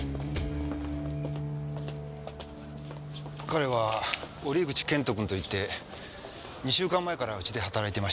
彼は折口謙人君といって２週間前からうちで働いていました。